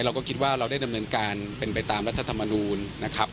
เราก็คิดว่าเราได้ดำเนินการเป็นไปตามรัฐธรรมนูลนะครับ